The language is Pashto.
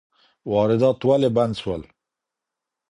واردات ولي بند سول؟